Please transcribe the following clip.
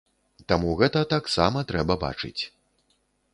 Таму гэта таксама трэба бачыць.